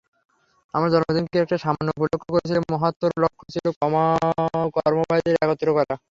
আমার জন্মদিনকে একটা সামান্য উপলক্ষ্য করেছিলে, মহত্তর লক্ষ্য ছিল কর্মভাইদের একত্র করা।